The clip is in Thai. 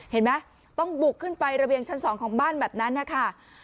เห็นไหมต้องบุกขึ้นไประเบียงชั้น๒ของบ้านแบบนั้นนะคะ